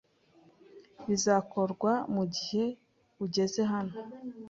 Bizakorwa mugihe ugeze hano.